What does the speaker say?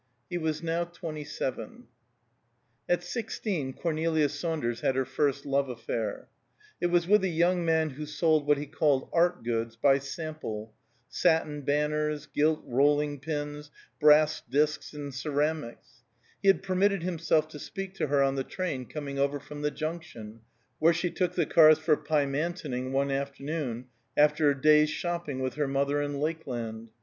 He was now twenty seven. At sixteen Cornelia Saunders had her first love affair. It was with a young man who sold what he called art goods by sample satin banners, gilt rolling pins, brass disks and keramics; he had permitted himself to speak to her on the train coming over from the Junction, where she took the cars for Pymantoning one afternoon after a day's shopping with her mother in Lakeland.